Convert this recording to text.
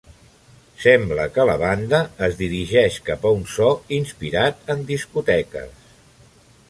Sembla que la banda es dirigeix cap a un so inspirat en discoteques.